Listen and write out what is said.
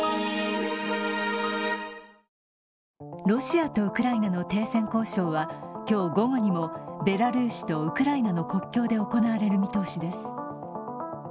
ロシアとウクライナの停戦交渉は今日午後にもベラルーシとウクライナの国境で行われる見通しです。